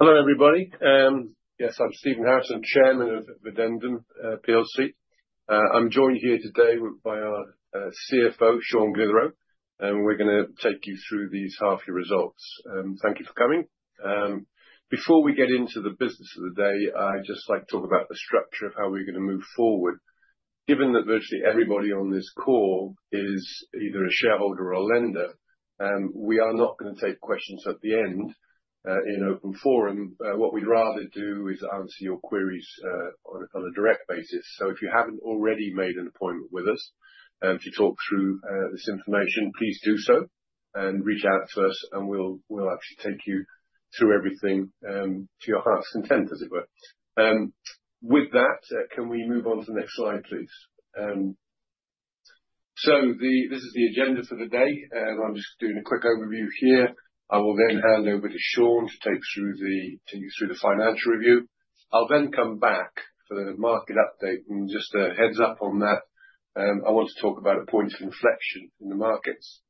Hello everybody. Yes, I'm Stephen Harrison, Chairman of Videndum PLC. I'm joined here today by our CFO, Sean Glithero, and we're going to take you through these half-year results. Thank you for coming. Before we get into the business of the day, I'd just like to talk about the structure of how we're going to move forward. Given that virtually everybody on this call is either a shareholder or a lender, we are not going to take questions at the end in an open forum. What we'd rather do is answer your queries on a direct basis. If you haven't already made an appointment with us to talk through this information, please do so and reach out to us, and we'll actually take you through everything to your heart's content, as it were. With that, can we move on to the next slide, please? This is the agenda for the day. I'm just doing a quick overview here. I will then hand over to Sean to take you through the financial review. I'll then come back for the market update and just a heads-up on that. I want to talk about a point of inflection in the markets.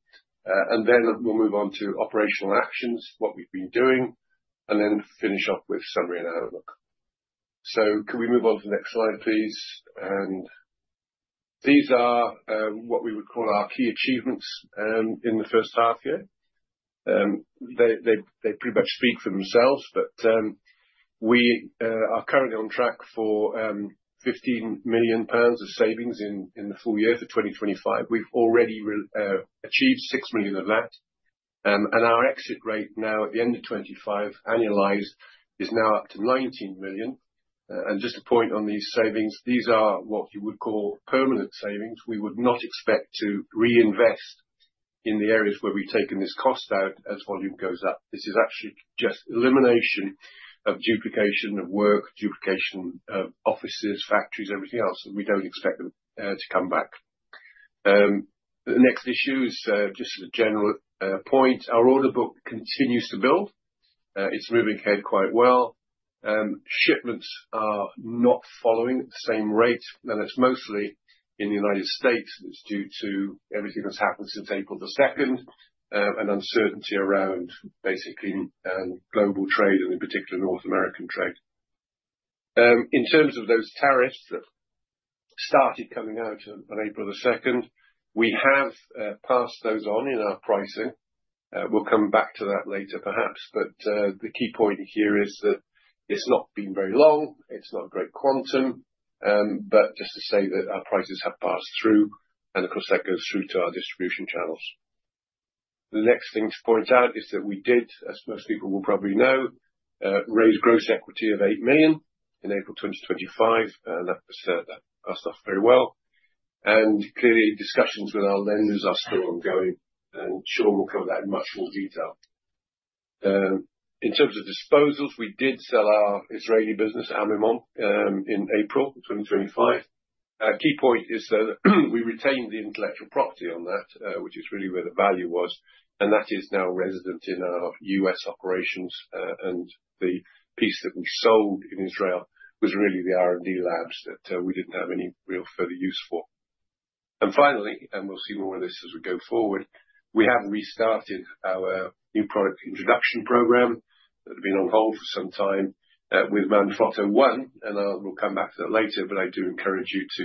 We'll move on to operational actions, what we've been doing, and then finish off with a summary and outlook. Can we move on to the next slide, please? These are what we would call our key achievements in the first half here. They pretty much speak for themselves, but we are currently on track for 15 million pounds of savings in the full year for 2025. We've already achieved 6 million of that, and our exit rate now at the end of 2025 annualized is now up to 19 million. Just a point on these savings, these are what you would call permanent savings. We would not expect to reinvest in the areas where we've taken this cost out as volume goes up. This is actually just elimination of duplication of work, duplication of offices, factories, everything else. We don't expect them to come back. The next issue is just a general point. Our order book continues to build. It's moving ahead quite well. Shipments are not following at the same rate, and it's mostly in the U.S. It's due to everything that's happened since April 2nd, and uncertainty around basically global trade and in particular North American trade. In terms of those tariffs that started coming out on April 2nd, we have passed those on in our pricing. We'll come back to that later, perhaps. The key point here is that it's not been very long. It's not a great quantum. Just to say that our prices have passed through, and of course, that goes through to our distribution channels. The next thing to point out is that we did, as most people will probably know, raise gross equity of 8 million in April 2025. That passed off very well. Clearly, discussions with our lenders are still ongoing, and Sean will cover that in much more detail. In terms of disposals, we did sell our Israeli business, Amimon, in April 2025. A key point is, though, that we retained the intellectual property on that, which is really where the value was, and that is now resident in our U.S. operations. The piece that we sold in Israel was really the R&D labs that we didn't have any real further use for. Finally, and we'll see more of this as we go forward, we have restarted our new product introduction program that had been on hold for some time, with Manfrotto ONE. I'll come back to that later, but I do encourage you to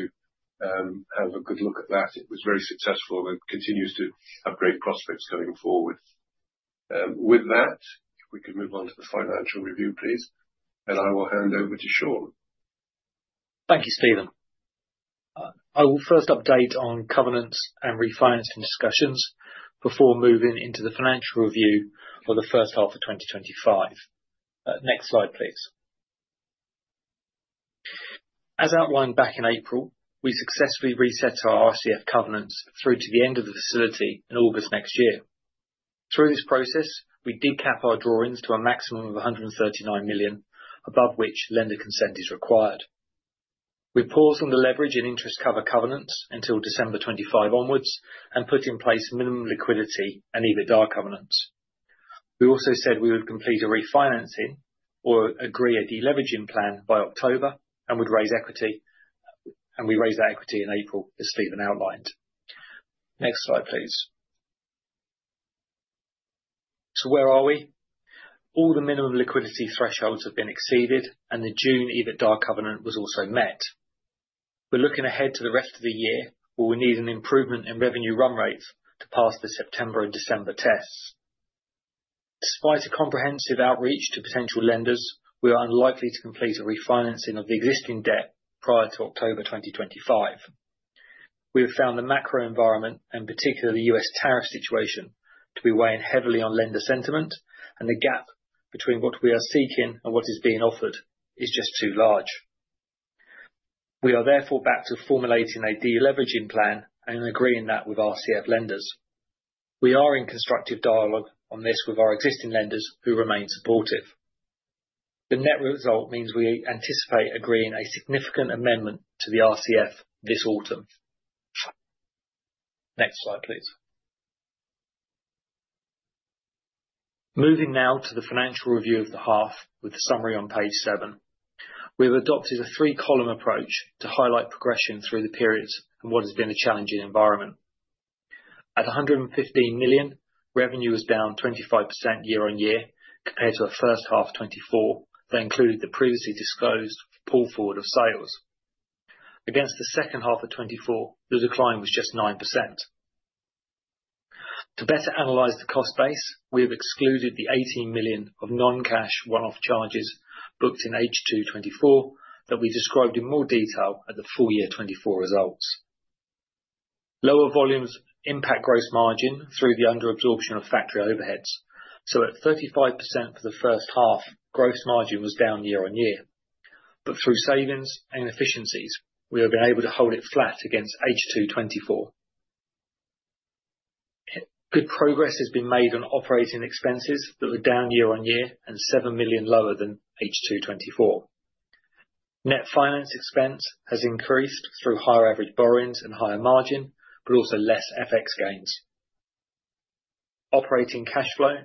have a good look at that. It was very successful and continues to upgrade prospects going forward. With that, we can move on to the financial review, please, and I will hand over to Sean. Thank you, Stephen. I will first update on covenant and refinancing discussions before moving into the financial review of the first half of 2025. Next slide, please. As outlined back in April, we successfully reset our RCF covenants through to the end of the facility in August next year. Through this process, we did cap our drawings to a maximum of 139 million, above which lender consent is required. We paused on the leverage and interest cover covenants until December 2025 onwards and put in place minimum liquidity and EBITDA covenants. We also said we would complete a refinancing or agree a deleveraging plan by October and would raise equity, and we raised that equity in April as Stephen outlined. Next slide, please. Where are we? All the minimum liquidity thresholds have been exceeded, and the June EBITDA covenant was also met. We're looking ahead to the rest of the year, but we need an improvement in revenue run rates to pass the September and December tests. Despite a comprehensive outreach to potential lenders, we are unlikely to complete a refinancing of the existing debt prior to October 2025. We have found the macroeconomic environment, and particularly the U.S. tariff situation, to be weighing heavily on lender sentiment, and the gap between what we are seeking and what is being offered is just too large. We are therefore back to formulating a deleveraging plan and agreeing that with RCF lenders. We are in constructive dialogue on this with our existing lenders who remain supportive. The net result means we anticipate agreeing a significant amendment to the RCF this autumn. Next slide, please. Moving now to the financial review of the half with a summary on page seven. We've adopted a three-column approach to highlight progression through the periods and what has been the challenging environment. At 115 million, revenue was down 25% year-on-year compared to the first half of 2024. That included the previously disclosed pull forward of sales. Against the second half of 2024, the decline was just 9%. To better analyze the cost base, we have excluded the 18 million of non-cash one-off charges booked in H2 2024 that we described in more detail at the full year 2024 results. Lower volumes impact gross margin through the underabsorption of factory overheads. At 35% for the first half, gross margin was down year on year. Through savings and efficiencies, we have been able to hold it flat against H2 2024. Good progress has been made on operating expenses that were down year-on-year and 7 million lower than H2 2024. Net finance expense has increased through higher average borrowings and higher margin, but also less FX gains. Operating cash flow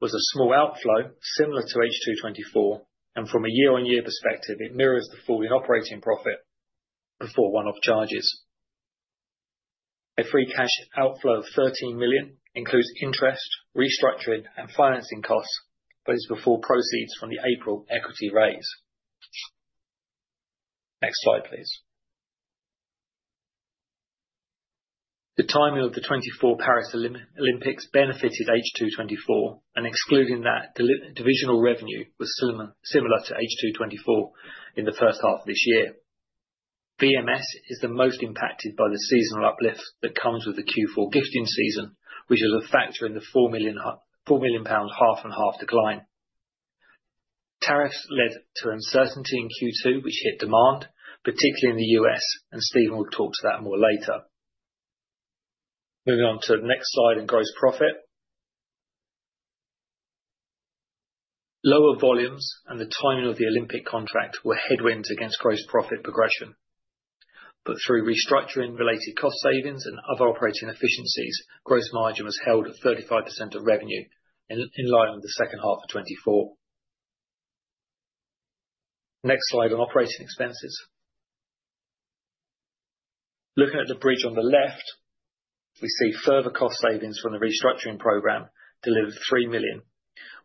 was a small outflow similar to H2 2024, and from a year-on-year perspective, it mirrors the fall in operating profit before one-off charges. A free cash outflow of 13 million includes interest, restructuring, and financing costs, but is before proceeds from the April equity raise. Next slide, please. The timing of the 2024 Paris Olympics benefited H2 2024, and excluding that, divisional revenue was similar to H2 2024 in the first half of this year. BMS is the most impacted by the seasonal uplift that comes with the Q4 gifting season, which is a factor in the 4 million pounds half and half decline. Tariffs led to uncertainty in Q2, which hit demand, particularly in the U.S., and Stephen will talk to that more later. Moving on to the next slide in gross profit. Lower volumes and the timing of the Olympic contract were headwinds against gross profit progression. Through restructuring, related cost savings, and other operating efficiencies, gross margin was held at 35% of revenue in line with the second half of 2024. Next slide on operating expenses. Looking at the bridge on the left, we see further cost savings from the restructuring program delivered 3 million,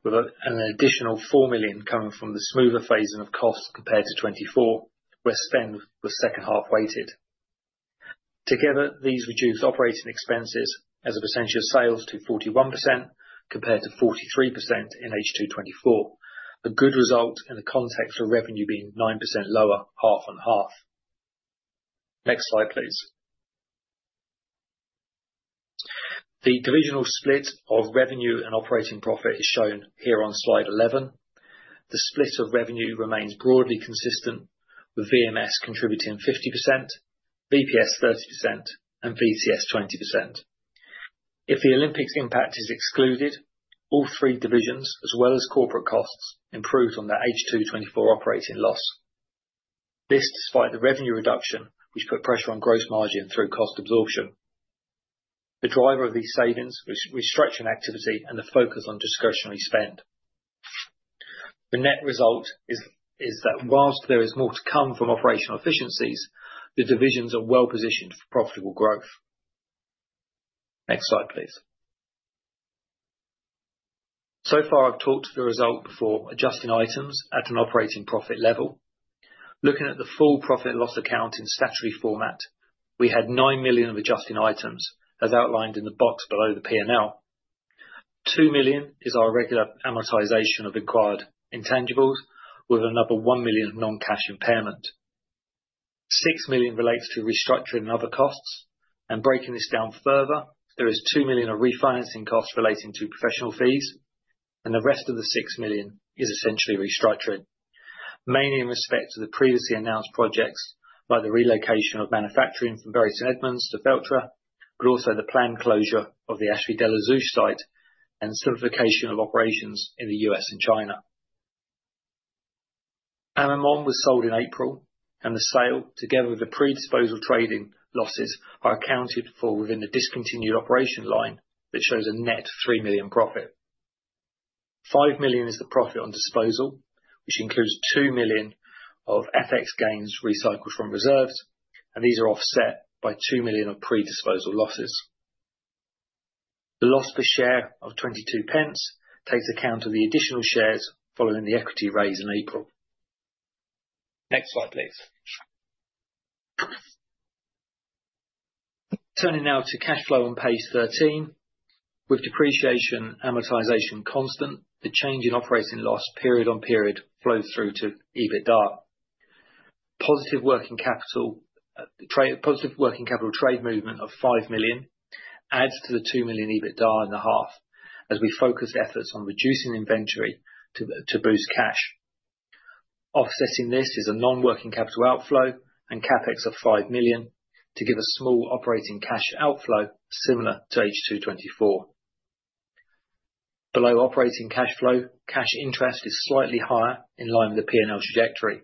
with an additional 4 million coming from the smoother phasing of costs compared to 2024, where spend for the second half waited. Together, these reduce operating expenses as a percentage of sales to 41% compared to 43% in H2 2024. A good result in the context of revenue being 9% lower half and half. Next slide, please. The divisional split of revenue and operating profit is shown here on slide 11. The split of revenue remains broadly consistent, with VMS contributing 50%, BPS 30%, and BCS 20%. If the Olympics impact is excluded, all three divisions, as well as corporate costs, improved on the H2 2024 operating loss. This is despite the revenue reduction, which put pressure on gross margin through cost absorption. The driver of these savings was restructuring activity and the focus on discretionary spend. The net result is that whilst there is more to come from operational efficiencies, the divisions are well positioned for profitable growth. Next slide, please. So far, I've talked to the result before adjusting items at an operating profit level. Looking at the full profit and loss account in statutory format, we had 9 million of adjusting items as outlined in the box below the P&L. 2 million is our regular amortization of acquired intangibles, with another 1 million of non-cash impairment. 6 million relates to restructuring and other costs. Breaking this down further, there is 2 million of refinancing costs relating to professional fees, and the rest of the 6 million is essentially restructuring, mainly in respect to the previously announced projects by the relocation of manufacturing from Bury St Edmunds to Feltre, but also the planned closure of the Ashby-de-la-Zouch site and simplification of operations in the U.S. and China. Amimon was sold in April, and the sale, together with the predisposal trading losses, are accounted for within the discontinued operation line that shows a net 3 million profit. 5 million is the profit on disposal, which includes 2 million of FX gains recycled from reserves, and these are offset by 2 million of predisposal losses. The loss per share of 22 pence takes account of the additional shares following the equity raise in April. Next slide, please. Turning now to cash flow on page 13, with depreciation and amortization constant, the change in operating loss period-on-period flows through to EBITDA. Positive working capital trade movement of 5 million adds to the 2 million EBITDA in the half as we focused efforts on reducing inventory to boost cash. Offsetting this is a non-working capital outflow and CapEx of 5 million to give a small operating cash outflow similar to H2 2024. Below operating cash flow, cash interest is slightly higher in line with the P&L trajectory.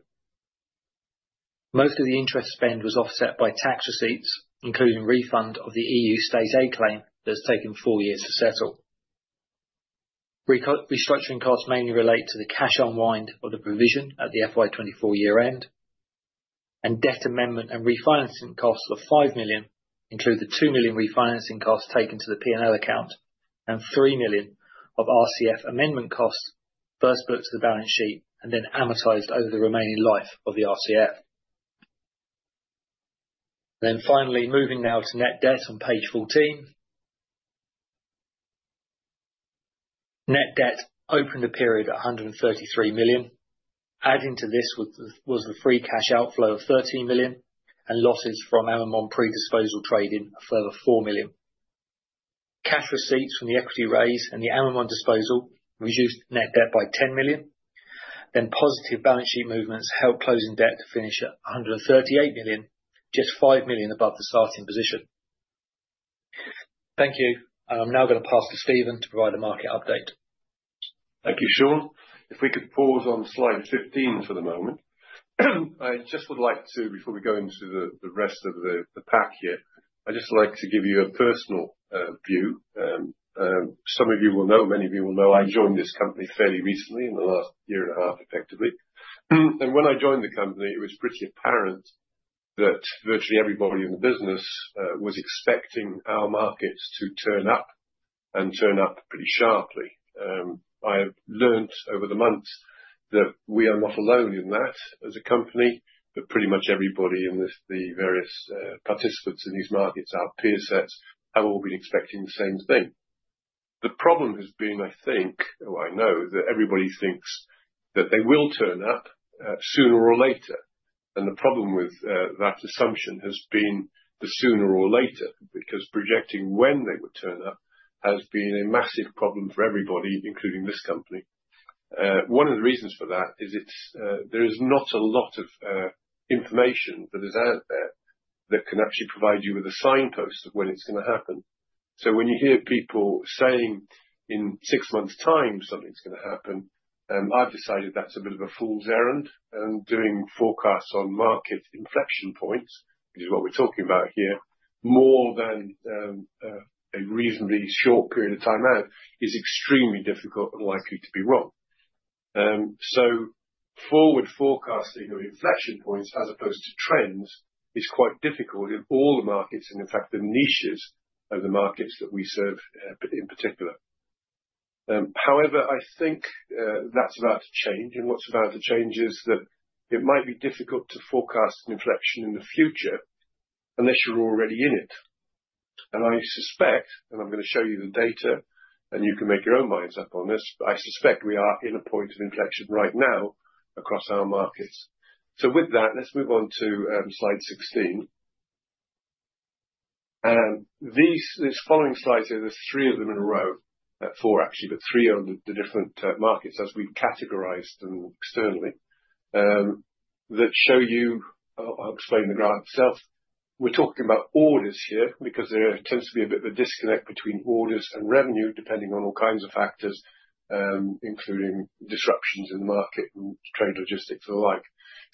Most of the interest spend was offset by tax receipts, including a refund of the EU state-aid claim that has taken four years to settle. Restructuring costs mainly relate to the cash unwind of the provision at the FY 2024 year-end. Debt amendment and refinancing costs of 5 million include the 2 million refinancing costs taken to the P&L account and 3 million of RCF amendment costs first booked to the balance sheet and then amortized over the remaining life of the RCF. Finally, moving now to net debt on page 14. Net debt opened the period at 133 million. Adding to this was the free cash outflow of 13 million and losses from Amimon predisposal trading of a further 4 million. Cash receipts from the equity raise and the Amimon disposal reduced net debt by 10 million. Positive balance sheet movements helped position debt to finish at 138 million, just 5 million above the starting position. Thank you. I'm now going to pass to Stephen to provide a market update. Thank you, Sean. If we could pause on slide 15 for the moment. I just would like to, before we go into the rest of the pack here, I'd just like to give you a personal view. Some of you will know, many of you will know I joined this company fairly recently in the last year and a half, effectively. When I joined the company, it was pretty apparent that virtually everybody in the business was expecting our markets to turn up and turn up pretty sharply. I learned over the months that we are not alone in that as a company, but pretty much everybody in the various participants in these markets, our peer sets, have all been expecting the same thing. The problem has been, I think, or I know that everybody thinks that they will turn up sooner or later. The problem with that assumption has been the sooner or later because projecting when they would turn up has been a massive problem for everybody, including this company. One of the reasons for that is there is not a lot of information that is out there that can actually provide you with a signpost of when it's going to happen. When you hear people saying in six months' time something's going to happen, I've decided that's a bit of a fool's errand. Doing forecasts on market inflection points, which is what we're talking about here, more than a reasonably short period of time out is extremely difficult and likely to be wrong. Forward forecasting of inflection points as opposed to trends is quite difficult in all the markets and, in fact, the niches of the markets that we serve in particular. However, I think that's about to change. What's about to change is that it might be difficult to forecast an inflection in the future unless you're already in it. I suspect, and I'm going to show you the data, and you can make your own minds up on this, but I suspect we are in a point of inflection right now across our markets. With that, let's move on to slide 16. These following slides here, there's three of them in a row, four actually, but three of the different markets as we've categorized them externally that show you, I'll explain the graph itself. We're talking about orders here because there tends to be a bit of a disconnect between orders and revenue depending on all kinds of factors, including disruptions in the market and trade logistics and the like.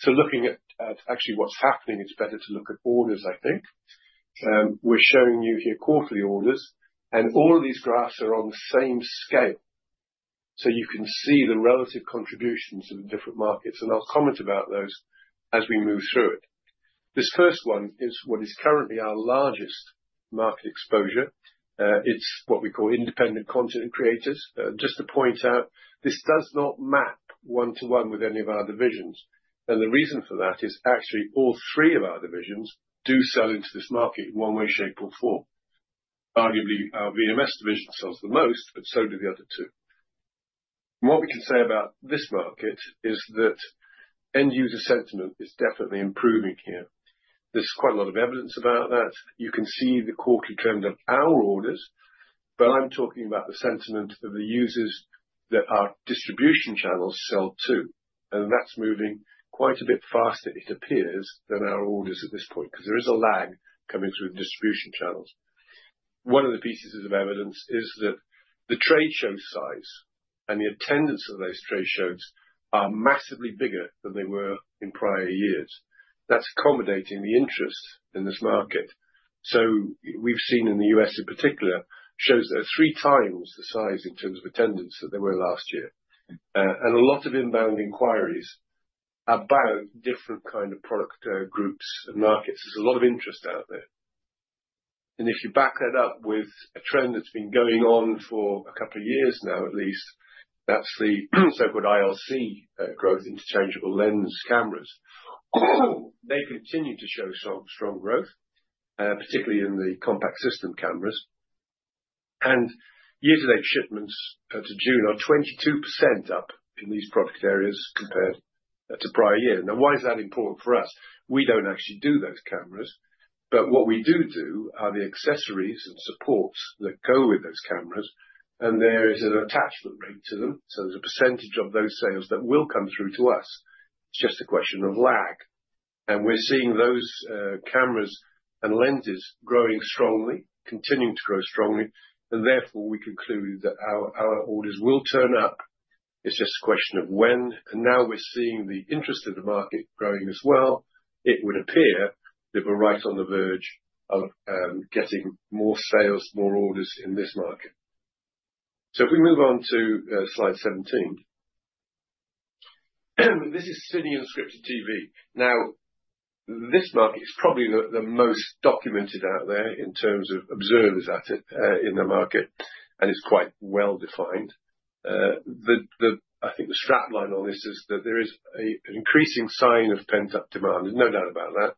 Looking at actually what's happening, it's better to look at orders, I think. We're showing you here quarterly orders. All of these graphs are on the same scale. You can see the relative contributions to the different markets. I'll comment about those as we move through it. This first one is what is currently our largest market exposure. It's what we call independent content creators. Just to point out, this does not map one-to-one with any of our divisions. The reason for that is actually all three of our divisions do sell into this market in one way, shape, or form. Arguably, our VMS division sells the most, but so do the other two. What we can say about this market is that end-user sentiment is definitely improving here. There's quite a lot of evidence about that. You can see the quarterly trend of our orders, but I'm talking about the sentiment of the users that our distribution channels sell to. That's moving quite a bit faster, it appears, than our orders at this point because there is a lag coming through the distribution channels. One of the pieces of evidence is that the trade show size and the attendance of those trade shows are massively bigger than they were in prior years. That's accommodating the interest in this market. We've seen in the U.S. in particular shows that are three times the size in terms of attendance that they were last year. There are a lot of inbound inquiries about different kinds of product groups and markets. There's a lot of interest out there. If you back that up with a trend that's been going on for a couple of years now, at least, that's the so-called ILC growth, interchangeable lens cameras. They continue to show strong growth, particularly in the compact system cameras. Year-to-date shipments to June are 22% up in these product areas compared to prior year. Now, why is that important for us? We don't actually do those cameras, but what we do do are the accessories and supports that go with those cameras. There is an attachment rate to them. There's a percentage of those sales that will come through to us. It's just a question of lag. We're seeing those cameras and lenses growing strongly, continuing to grow strongly. Therefore, we conclude that our orders will turn up. It's just a question of when. Now we're seeing the interest of the market growing as well. It would appear that we're right on the verge of getting more sales, more orders in this market. If we move on to slide 17, this is City and Scripps TV. Now, this market is probably the most documented out there in terms of observers at it in the market, and it's quite well-defined. I think the strap line on this is that there is an increasing sign of pent-up demand. There's no doubt about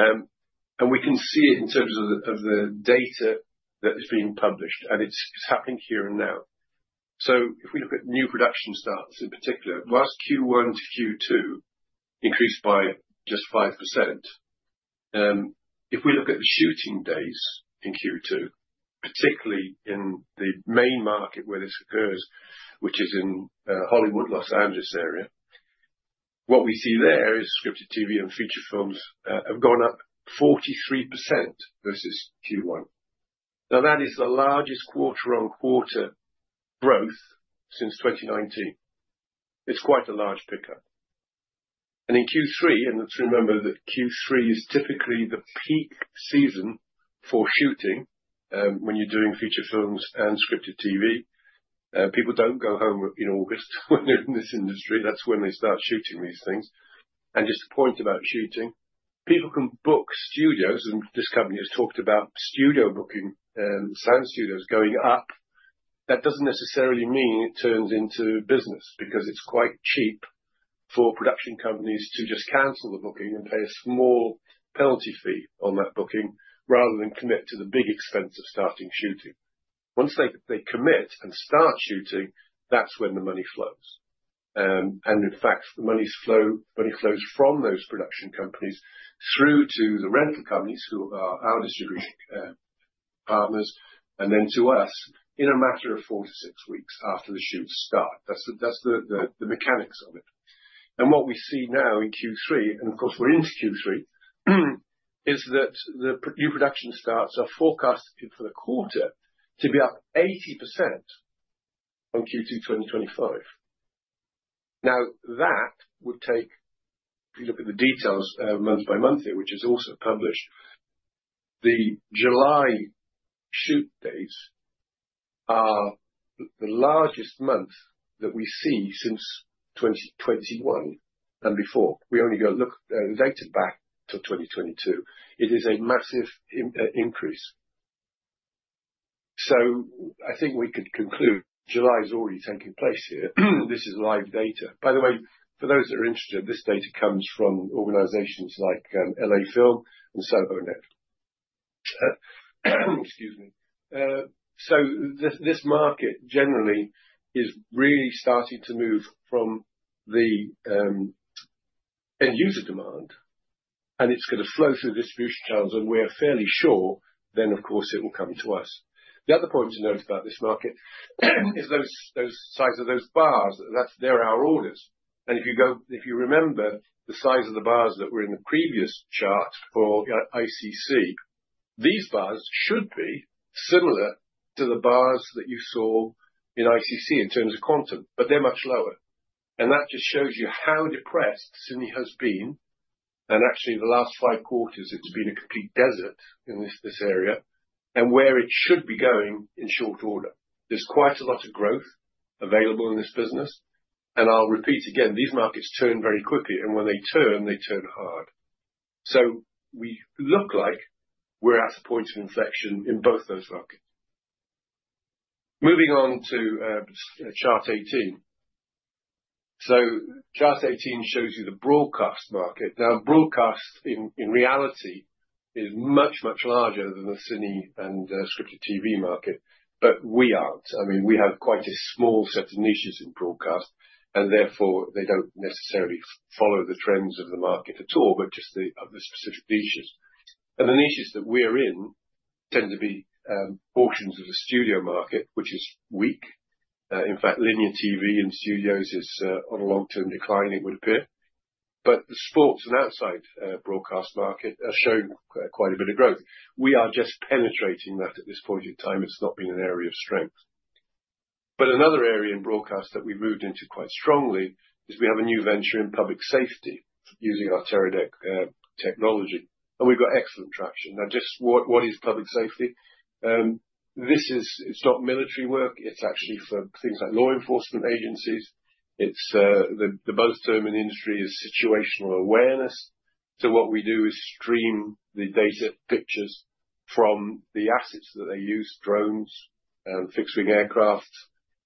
that. We can see it in terms of the data that is being published, and it's happening here and now. If we look at new production starts in particular, whilst Q1 to Q2 increased by just 5%, if we look at the shooting days in Q2, particularly in the main market where this occurs, which is in Hollywood, Los Angeles area, what we see there is scripted TV and feature films have gone up 43% versus Q1. That is the largest quarter-on-quarter growth since 2019. It's quite a large pickup. In Q3, and let's remember that Q3 is typically the peak season for shooting when you're doing feature films and scripted TV. People don't go home in August when they're in this industry. That's when they start shooting these things. Just to point about shooting, people can book studios, and this company has talked about studio booking sound studios going up. That doesn't necessarily mean it turns into business because it's quite cheap for production companies to just cancel the booking and pay a small penalty fee on that booking rather than commit to the big expense of starting shooting. Once they commit and start shooting, that's when the money flows. In fact, the money flows from those production companies through to the rental companies who are our distributing partners and then to us in a matter of four to six weeks after the shoots start. That's the mechanics of it. What we see now in Q3, and of course, we're into Q3, is that the new production starts are forecasted for the quarter to be up 80% on Q2 2025. That would take, if you look at the details month by month here, which is also published, the July shoot days are the largest month that we see since 2021 and before. We only go look at data back to 2022. It is a massive increase. I think we could conclude July is already taking place here. This is live data. By the way, for those that are interested, this data comes from organizations like LA Film and SoloNet. Excuse me. This market generally is really starting to move from the end-user demand, and it's going to flow through distribution channels, and we're fairly sure then, of course, it will come to us. The other point to note about this market is those sides of those bars, that's they're our orders. If you remember the size of the bars that were in the previous chart for ICC, these bars should be similar to the bars that you saw in ICC in terms of quantum, but they're much lower. That just shows you how depressed Sydney has been. Actually, the last five quarters, it's been a complete desert in this area and where it should be going in short order. There's quite a lot of growth available in this business. I'll repeat again, these markets turn very quickly, and when they turn, they turn hard. We look like we're at a point of inflection in both those markets. Moving on to chart 18. Chart 18 shows you the broadcast market. Now, broadcast in reality is much, much larger than the Sydney and scripted TV market, but we aren't. I mean, we have quite a small set of niches in broadcast, and therefore, they don't necessarily follow the trends of the market at all, just the specific niches. The niches that we're in tend to be portions of the studio market, which is weak. In fact, linear TV and studios is on a long-term decline, it would appear. The sports and outside broadcast market has shown quite a bit of growth. We are just penetrating that at this point in time. It's not been an area of strength. Another area in broadcast that we moved into quite strongly is we have a new venture in public safety using our Teradek technology. We've got excellent traction. Now, just what is public safety? It's not military work. It's actually for things like law enforcement agencies. The buzz term in the industry is situational awareness. What we do is stream the data pictures from the assets that they use: drones, fixed-wing aircraft,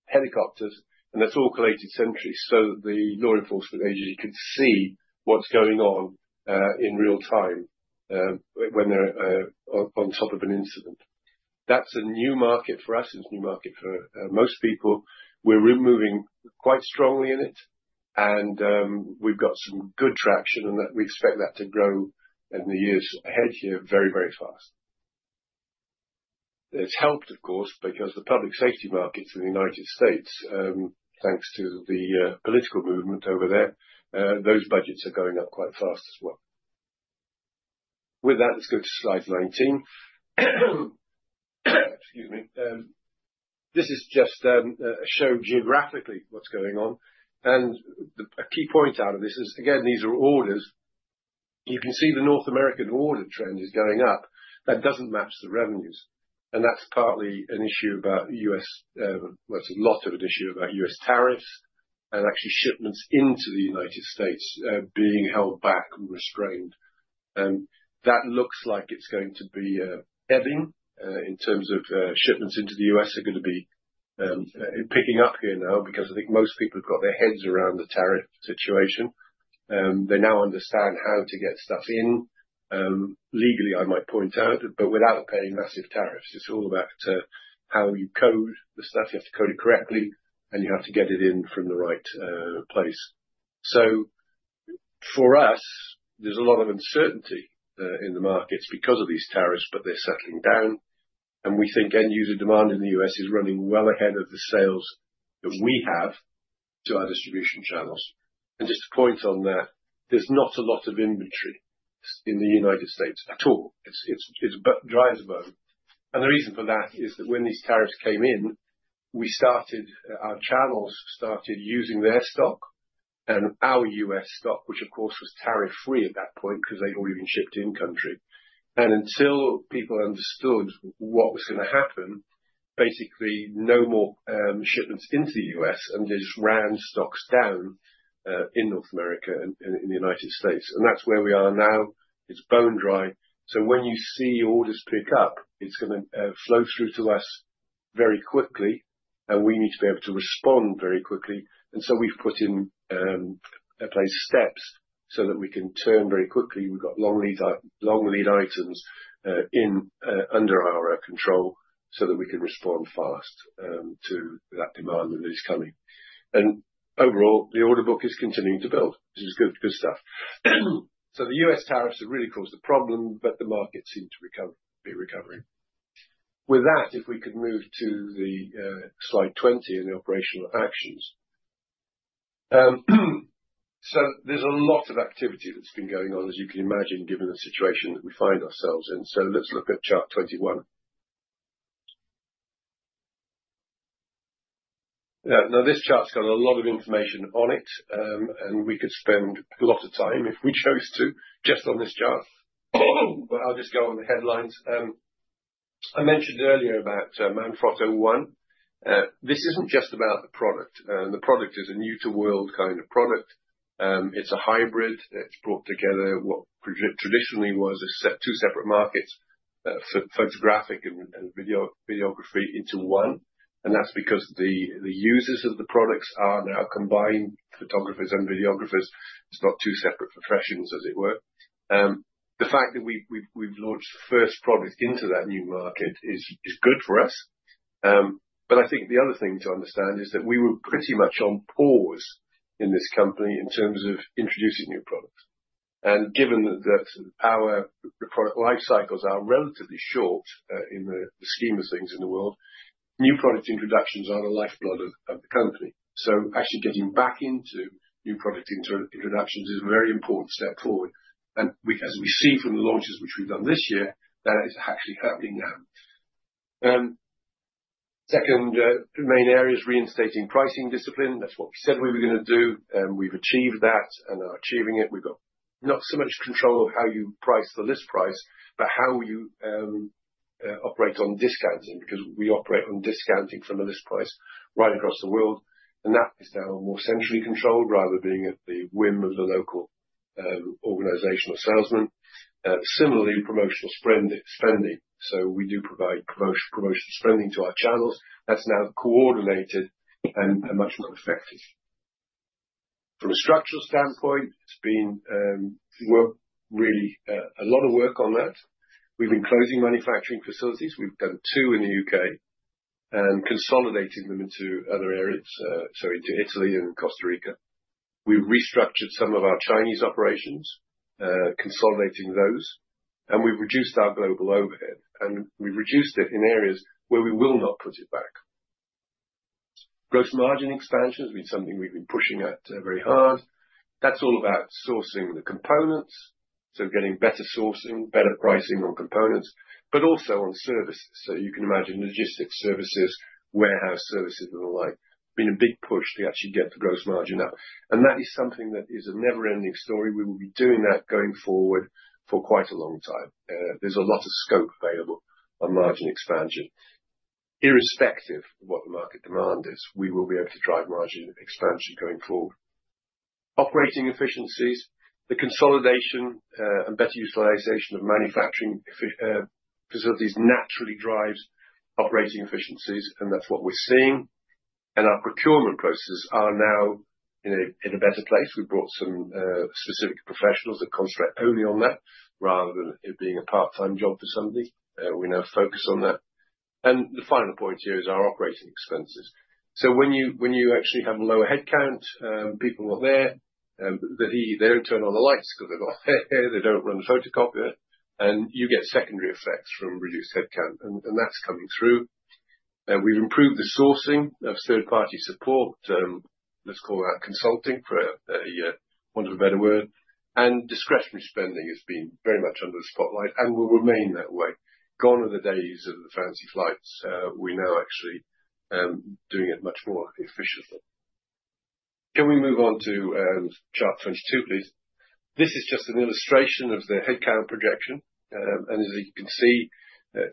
helicopters, and that's all collated centrally so that the law enforcement agency could see what's going on in real time when they're on top of an incident. That's a new market for us. It's a new market for most people. We're moving quite strongly in it, and we've got some good traction, and we expect that to grow in the years ahead here very, very fast. It's helped, of course, because the public safety markets in the U.S., thanks to the political movement over there, those budgets are going up quite fast as well. With that, let's go to slide 19. Excuse me. This is just to show geographically what's going on. A key point out of this is, again, these are orders. You can see the North American order trend is going up. That doesn't match the revenues. That's partly an issue about the U.S., actually it's a lot of an issue about U.S. tariffs and shipments into the United States being held back and restrained. It looks like it's going to be ebbing in terms of shipments into the U.S. picking up here now because most people have got their heads around the tariff situation. They now understand how to get stuff in, legally I might point out, but without paying massive tariffs. It's all about how you code the stuff. You have to code it correctly, and you have to get it in from the right place. For us, there's a lot of uncertainty in the markets because of these tariffs, but they're settling down. We think end-user demand in the U.S. is running well ahead of the sales that we have to our distribution channels. Just to point on that, there's not a lot of inventory in the United States at all. It's dry as a bone. The reason for that is that when these tariffs came in, our channels started using their stock and our U.S. stock, which, of course, was tariff-free at that point because they'd already been shipped in-country. Until people understood what was going to happen, basically, no more shipments into the U.S., and this ran stocks down in North America and in the United States. That's where we are now. It's bone dry. When you see orders pick up, it's going to flow through to us very quickly, and we need to be able to respond very quickly. We've put in place steps so that we can turn very quickly. We've got long lead items under our control so that we can respond fast to that demand that is coming. Overall, the order book is continuing to build, which is good stuff. The U.S. tariffs have really caused a problem, but the markets seem to be recovering. If we could move to slide 20 and the operational actions. There's a lot of activity that's been going on, as you can imagine, given the situation that we find ourselves in. Let's look at chart 21. This chart's got a lot of information on it, and we could spend a lot of time if we chose to just on this chart. I'll just go on the headlines. I mentioned earlier about Manfrotto ONE. This isn't just about the product. The product is a new-to-world kind of product. It's a hybrid that's brought together what traditionally was two separate markets for photographic and videography into one. That's because the users of the products are now combined photographers and videographers. It's not two separate professions, as it were. The fact that we've launched the first product into that new market is good for us. I think the other thing to understand is that we were pretty much on pause in this company in terms of introducing new products. Given that our product lifecycles are relatively short in the scheme of things in the world, new product introductions are the lifeblood of the company. Actually getting back into new product introductions is a very important step forward. As we see from the launches which we've done this year, that is actually happening now. The second main area is reinstating pricing discipline. That's what we said we were going to do. We've achieved that and are achieving it. We've got not so much control of how you price the list price, but how you operate on discounting because we operate on discounting from a list price right across the world. That is now more centrally controlled rather than being at the whim of the local organization or salesman. Similarly, promotional spending. We do provide promotional spending to our channels. That's now coordinated and much more effective. From a structural standpoint, it's been really a lot of work on that. We've been closing manufacturing facilities. We've done two in the U.K. and consolidating them into other areas, into Italy and Costa Rica. We've restructured some of our Chinese operations, consolidating those. We've reduced our global overhead, and we've reduced it in areas where we will not put it back. Gross margin expansion has been something we've been pushing at very hard. That's all about sourcing the components, getting better sourcing, better pricing on components, but also on services. You can imagine logistics services, warehouse services, and the like. It's been a big push to actually get the gross margin up. That is something that is a never-ending story. We will be doing that going forward for quite a long time. There's a lot of scope available on margin expansion. Irrespective of what the market demand is, we will be able to drive margin expansion going forward. Operating efficiencies, the consolidation and better utilization of manufacturing facilities naturally drives operating efficiencies, and that's what we're seeing. Our procurement processes are now in a better place. We've brought some specific professionals that concentrate only on that rather than it being a part-time job for somebody. We now focus on that. The final point here is our operating expenses. When you actually have a lower headcount, people are not there. They don't turn on the lights because they're not there. They don't run the photocopier, and you get secondary effects from reduced headcount. That's coming through. We've improved the sourcing of third-party support. Let's call that consulting for want of a better word. Discretionary spending has been very much under the spotlight and will remain that way. Gone are the days of the fancy flights. We're now actually doing it much more efficiently. Can we move on to chart 22, please? This is just an illustration of the headcount projection. As you can see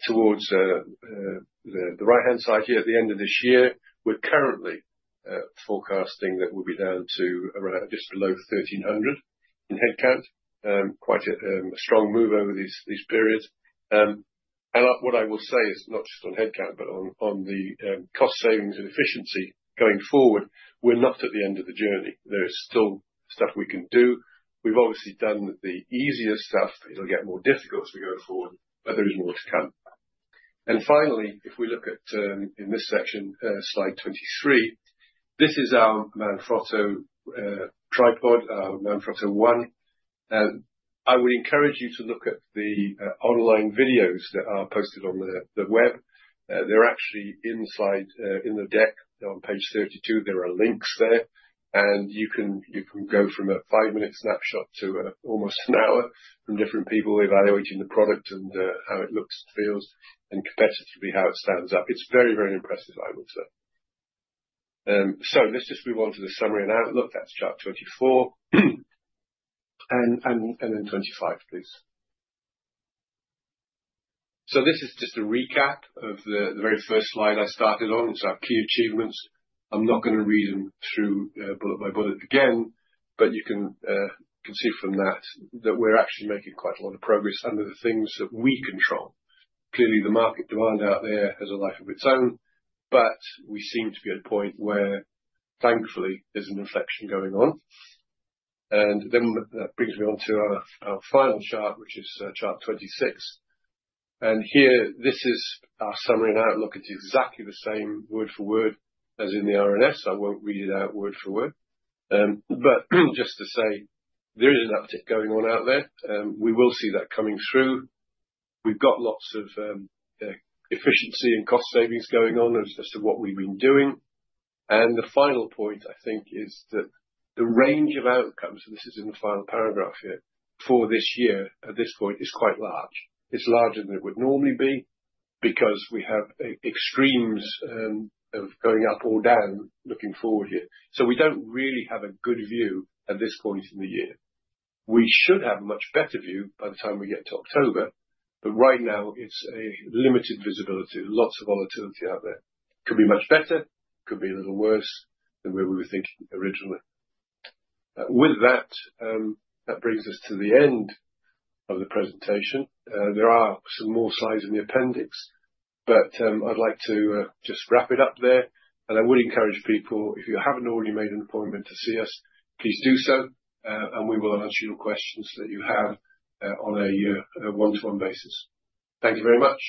towards the right-hand side here at the end of this year, we're currently forecasting that we'll be down to just below 1,300 in headcount. Quite a strong move over these periods. What I will say is not just on headcount, but on the cost savings and efficiency going forward, we're not at the end of the journey. There is still stuff we can do. We've obviously done the easiest stuff. It'll get more difficult as we go forward, but there is more to come. If we look at in this session, slide 23, this is our Manfrotto tripod, our Manfrotto ONE. I would encourage you to look at the online videos that are posted on the web. They're actually inside in the deck on page 32. There are links there, and you can go from a five-minute snapshot to almost an hour from different people evaluating the product and how it looks, feels, and comparatively how it stands up. It's very, very impressive, I would say. Let's just move on to the summary and outlook. That's chart 24, and then 25, please. This is just a recap of the very first slide I started on, chart key achievements. I'm not going to read them through bullet by bullet again, but you can see from that that we're actually making quite a lot of progress under the things that we control. Clearly, the market demand out there has a life of its own. We seem to be at a point where, thankfully, there's an inflection going on. That brings me on to our final chart, which is chart 26. Here, this is our summary and outlook. It's exactly the same word for word as in the R&S. I won't read it out word for word, but just to say, there is an uptick going on out there. We will see that coming through. We've got lots of efficiency and cost savings going on as to what we've been doing. The final point, I think, is that the range of outcomes, and this is in the final paragraph here, for this year at this point is quite large. It's larger than it would normally be because we have extremes of going up or down looking forward here. We don't really have a good view at this point in the year. We should have a much better view by the time we get to October, but right now, it's a limited visibility. Lots of volatility out there. It could be much better. It could be a little worse than where we were thinking originally. That brings us to the end of the presentation. There are some more slides in the appendix, but I'd like to just wrap it up there. I would encourage people, if you haven't already made an appointment to see us, please do so. We will answer your questions that you have on a one-to-one basis. Thank you very much.